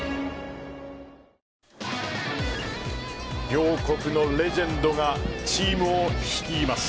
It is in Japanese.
両国のレジェンドがチームを率います。